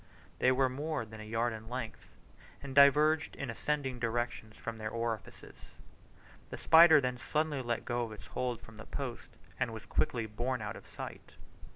They were more than a yard in length, and diverged in an ascending direction from the orifices. The spider then suddenly let go its hold of the post, and was quickly borne out of sight.